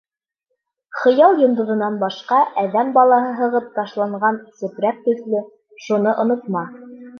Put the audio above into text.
Хыял йондоҙонан башҡа әҙәм балаһы һығып ташланған сепрәк төҫлө, шуны онотма.